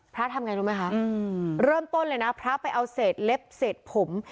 ทำไงรู้ไหมคะเริ่มต้นเลยนะพระไปเอาเศษเล็บเศษผม